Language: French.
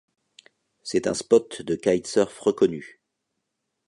C'est un spot de kitesurf reconnu.